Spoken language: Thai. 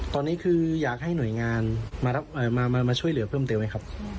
ตอนนี้คืออยากให้หน่วยงานมาช่วยเหลือเพิ่มเติมไหมครับ